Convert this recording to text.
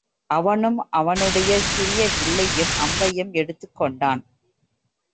அவனும் அவனுடைய சிறிய வில்லையும் அம்பையும் எடுத்துக்கொண்டான்.